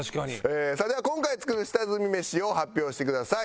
それでは今回作る下積みメシを発表してください。